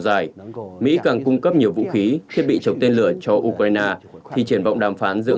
dài mỹ càng cung cấp nhiều vũ khí thiết bị chống tên lửa cho ukraine khi triển vọng đàm phán giữa